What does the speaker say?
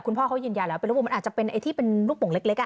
คุณพ่อเค้ายืนยันแล้วคือมันอาจจะเป็นที่เป็นลูกโป่งเล็กอ่ะ